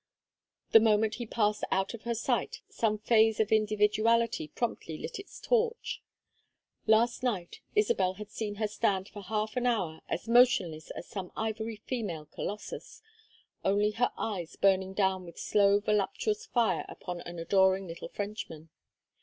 The moment he passed out of her sight some phase of individuality promptly lit its torch. Last night Isabel had seen her stand for half an hour as motionless as some ivory female Colossus, only her eyes burning down with slow voluptuous fire upon an adoring little Frenchman.